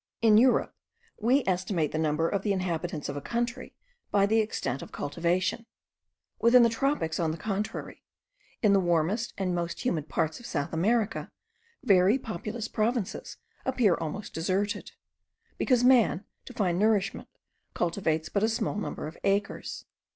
In Europe we estimate the number of the inhabitants of a country by the extent of cultivation: within the tropics, on the contrary, in the warmest and most humid parts of South America, very populous provinces appear almost deserted; because man, to find nourishment, cultivates but a small number of acres.